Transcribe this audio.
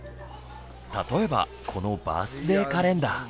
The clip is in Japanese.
例えばこのバースデーカレンダー。